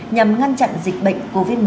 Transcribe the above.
nhằm ngăn chặn dịch bệnh covid một mươi chín